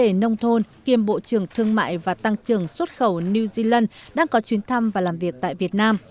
các vấn đề nông thôn kiêm bộ trưởng thương mại và tăng trưởng xuất khẩu new zealand đang có chuyến thăm và làm việc tại việt nam